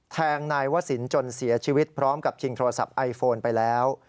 แทงนายวสินจนเสียชีวิตพร้อมกับชิงโทรศัพท์ไอโฟนไปแล้ว